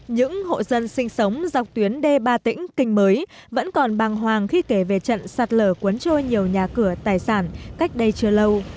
những hộ dân sinh sống dọc tuyến đê ba tĩnh kinh mới vẫn còn băng hoàng khi kể về trận sạt lở cuốn trôi nhiều nhà cửa tài sản cách đây chưa lâu